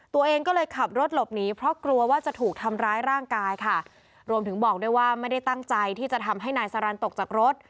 ตัวเองก็เลยขับรถหลบหนีเพราะกลัวว่าจะถูกทำร้ายร่างกายค่ะรวมถึงบอกด้วยว่าไม่ได้ตั้งใจที่จะทำให้นายสารันตกจากรถ